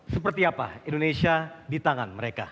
seperti apa indonesia di tangan mereka